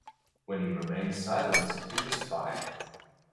When he remained silent, he was fired.